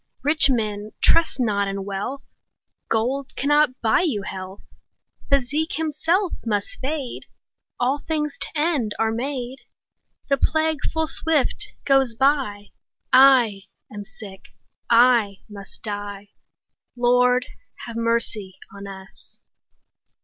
Rich men, trust not in wealth, Gold cannot buy you health; Physic himself must fade; 10 All things to end are made; The plague full swift goes by; I am sick, I must die— Lord, have mercy on us!